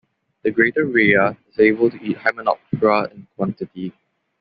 The greater rhea is able to eat Hymenoptera in quantity.